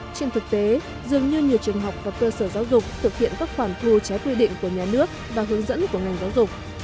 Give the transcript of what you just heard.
trên thực tế dường như nhiều trường học và cơ sở giáo dục thực hiện các khoản thu trái quy định của nhà nước và hướng dẫn của ngành giáo dục